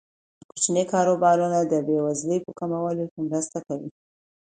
کوچني کاروبارونه د بې وزلۍ په کمولو کې مرسته کوي.